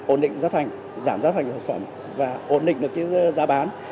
ổn định giá thành giảm giá thành hợp phẩm và ổn định được giá bán